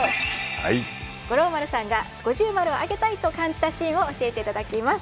五郎丸さんが五重マルをあげたいと感じたシーンを教えていただきます。